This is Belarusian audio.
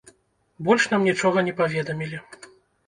Больш нам нічога не паведамілі.